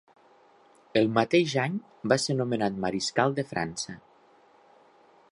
El mateix any va ser nomenat Mariscal de França.